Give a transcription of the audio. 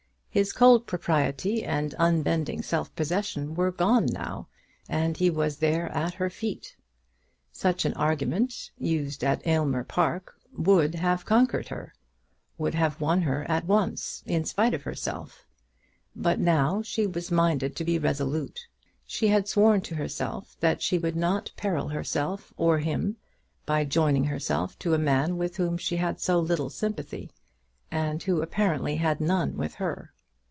His cold propriety and unbending self possession were gone now, and he was there at her feet. Such an argument, used at Aylmer Park, would have conquered her, would have won her at once, in spite of herself; but now she was minded to be resolute. She had sworn to herself that she would not peril herself, or him, by joining herself to a man with whom she had so little sympathy, and who apparently had none with her.